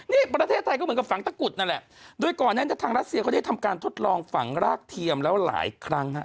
นี่ประเทศไทยก็เหมือนกับฝังตะกุดนั่นแหละโดยก่อนนั้นทางรัสเซียเขาได้ทำการทดลองฝังรากเทียมแล้วหลายครั้งฮะ